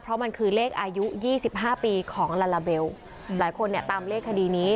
เพราะมันคือเลขอายุ๒๕ปีของลาลาเบลหลายคนเนี่ยตามเลขคดีนี้